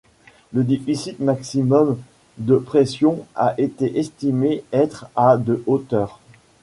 Le déficit maximum de pression a été estimé être à de hauteur.